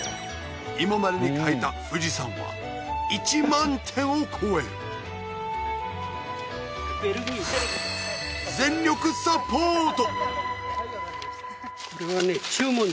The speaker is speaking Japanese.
今までに描いた富士山は１万点を超える全力サポート！